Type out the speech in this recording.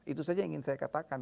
itu saja yang ingin saya katakan